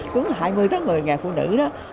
cũng là hai mươi tháng một mươi ngày phụ nữ đó